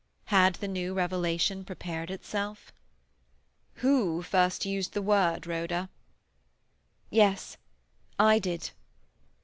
Had the new revelation prepared itself? "Who first used the word, Rhoda?" "Yes; I did."